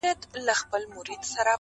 په ګوزار یې د مرغه زړګی خبر کړ!